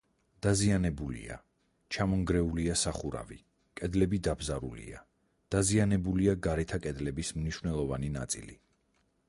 დაზიანებულია: ჩამონგრეულია სახურავი, კედლები დაბზარულია, დაზიანებულია გარეთა კედლების მნიშვნელოვანი ნაწილი.